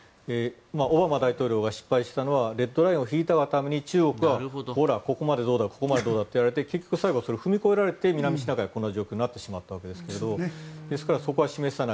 オバマ大統領が失敗したのはレッドラインを引いたがために中国は、ほらここまでどうだってやられて最後、踏み越えられて南シナ海はこんな状況になったわけですからそこは示さない。